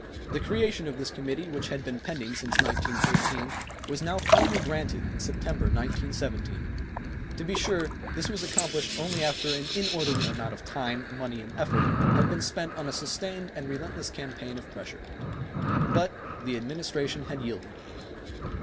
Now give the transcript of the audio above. The creation of this committee, which had been pending since 1913, was now finally granted in September, 1917. To be sure this was accomplished only after an inordinate amount of time, money and effort had been spent on a sustained and relentless campaign of pressure. But the Administration had yielded.